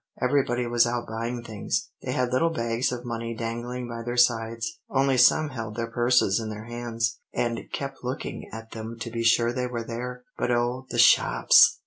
Everybody was out buying things. They had little bags of money dangling by their sides, only some held their purses in their hands, and kept looking at them to be sure they were there but oh, the shops!"